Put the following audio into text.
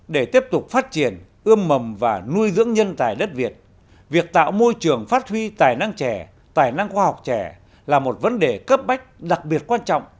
để tiếp tục phát triển ươm mầm và nuôi dưỡng nhân tài đất việt việc tạo môi trường phát huy tài năng trẻ tài năng khoa học trẻ là một vấn đề cấp bách đặc biệt quan trọng